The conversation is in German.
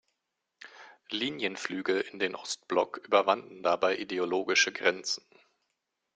Linienflüge in den Ostblock überwanden dabei ideologische Grenzen.